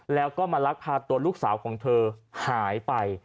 แล้วก็มาลักพาตัวลูกสาวของเธอหายไป